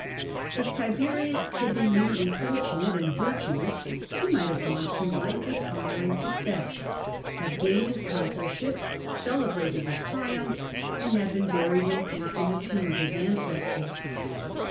|~~H Tiberius had been merely fortunate and virtuous, he might have gone through life with honour and success, have gained his consulship, celebrated his triumph, and have been buried in peace in the tomb of his ancestors.